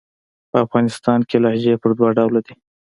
په افغانستان کښي لهجې پر دوه ډوله دي.